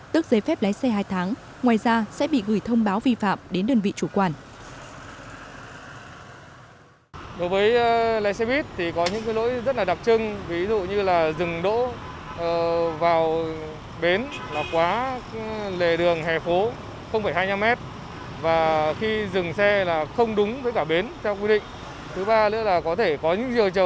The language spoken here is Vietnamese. tức giấy phép lái xe hai tháng ngoài ra sẽ bị gửi thông báo vi phạm đến đơn vị chủ quản